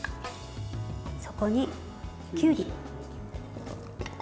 そこに、きゅうり。